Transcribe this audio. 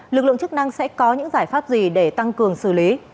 lực lượng chức năng sẽ có những giải pháp gì để tăng cường xử lý